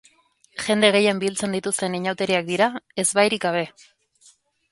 Jende gehien biltzen dituzten inauteriak dira, ezbairik gabe.